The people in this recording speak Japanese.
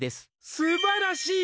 すばらしい！